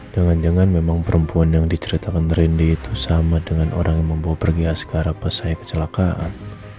jangan jangan memang perempuan yang diceritakan randy itu sama dengan orang yang membawa pergi askara pas saya kecelakaan